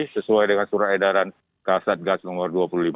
sesuai dengan surah edaran kasat gas nomor dua puluh lima